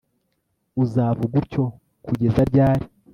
uzavuga utyo kugeza ryari